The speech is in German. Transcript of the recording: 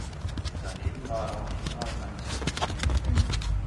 Daneben war er auch Lehrer in einer Sonntagsschule.